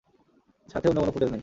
সাথে অন্য কোন ফুটেজ নেই।